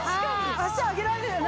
脚上げられるよね。